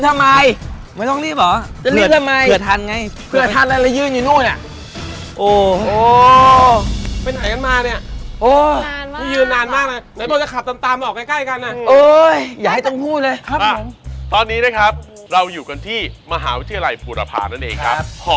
ก็ไม่ต้องรีบทำไมว่าเราอยู่กันที่มหาวิทยาลัยบูรพานู่นเองจากห่อ